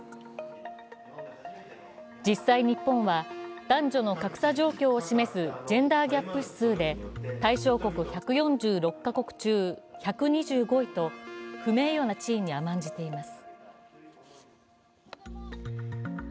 実際、日本は男女の格差状況を示すジェンダーギャップ指数で対象国１４６か国中１２５位と不名誉な地位に甘んじています。